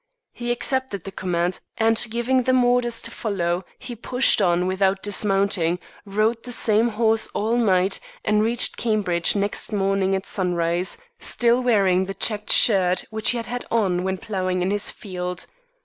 He accepted the command, and, giving them orders to follow, he pushed on without dismounting, rode the same horse all night, and reached Cambridge next morning at sunrise, still wearing the checked shirt which he had had on when ploughing in his field.